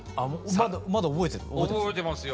まだ覚えてます？